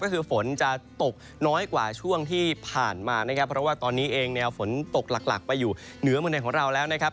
ก็คือฝนจะตกน้อยกว่าช่วงที่ผ่านมานะครับเพราะว่าตอนนี้เองแนวฝนตกหลักหลักไปอยู่เหนือเมืองไทยของเราแล้วนะครับ